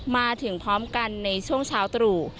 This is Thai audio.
มาถึงพร้อมกันในช่วงเช้าตรู่